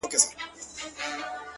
شرجلال مي ته، په خپل جمال کي کړې بدل،